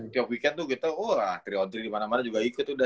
tiap weekend tuh kita wah tiga dimana mana juga ikut udah